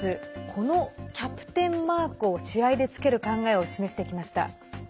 このキャプテンマークを試合でつける考えを示してきました。